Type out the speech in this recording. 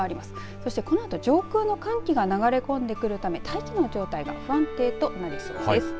そしてこのあと上空の寒気が流れ込んでくるため大気の状態が不安定となりそうです。